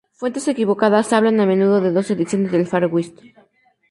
Fuentes equivocadas hablan a menudo de dos ediciones de "Far West".